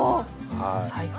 最高。